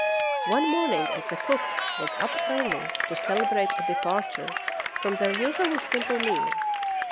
One morning the cook was up early to celebrate a departure from their usually simple meal.